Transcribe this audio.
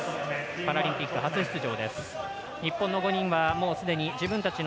パラリンピック初出場。